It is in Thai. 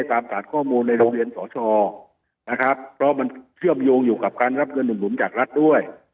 ตามสารข้อมูลในโรงเรียนสชนะครับเพราะมันเชื่อมโยงอยู่กับการรับเงินหนุนจากรัฐด้วย